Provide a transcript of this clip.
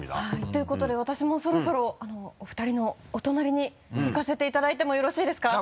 ということで私もそろそろお二人のお隣に行かせていただいてもよろしいですか？